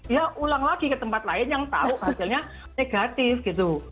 ya ulang lagi ke tempat lain yang tahu hasilnya negatif gitu